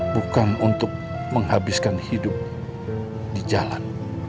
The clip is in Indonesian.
bukan untuk menghabiskan hidup di jalan